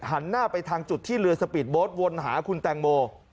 หันหน้าไปทางจุดที่เรือสปีดโบ๊ทวนหาคุณแตงโม